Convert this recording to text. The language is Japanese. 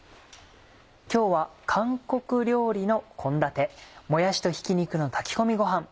今日は韓国料理の献立「もやしとひき肉の炊き込みごはん」。